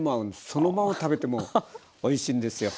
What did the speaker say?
そのまま食べてもおいしいんですよ。